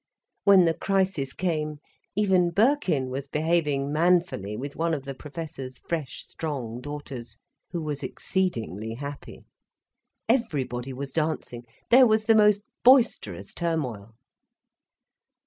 When the crisis came even Birkin was behaving manfully with one of the Professor's fresh, strong daughters, who was exceedingly happy. Everybody was dancing, there was the most boisterous turmoil.